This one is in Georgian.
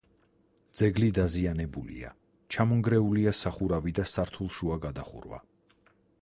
ძეგლი დაზიანებულია: ჩამონგრეულია სახურავი და სართულშუა გადახურვა.